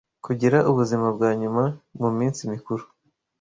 kugira ubuzima bwa nyuma mu minsi mikuru